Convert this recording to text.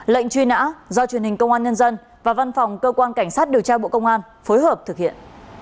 lệnh truy nã do truyền hình công an nhân dân và văn phòng cơ quan cảnh sát điều tra bộ công an phối hợp thực hiện